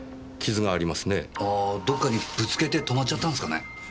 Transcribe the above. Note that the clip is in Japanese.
あぁどっかにぶつけて止まっちゃったんですかね。